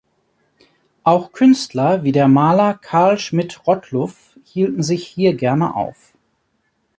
Auch Künstler wie der Maler Karl Schmidt-Rottluff hielten sich hier gerne auf.